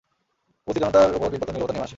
উপস্থিত জনতার উপর পিন-পতন নীরবতা নেমে আসে।